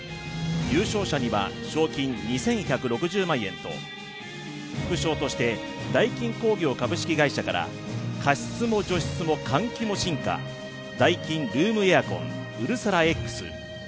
優勝者には賞金２１６０万円と副賞としてダイキン工業株式会社から加湿も除湿も換気も進化ダイキンルームエアコンうるさらＸ。